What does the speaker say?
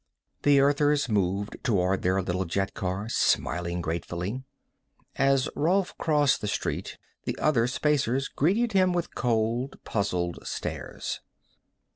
The Earthers moved toward their little jetcar, smiling gratefully. As Rolf crossed the street, the other Spacers greeted him with cold, puzzled stares.